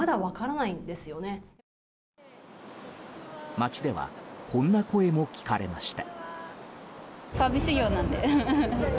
街ではこんな声も聞かれました。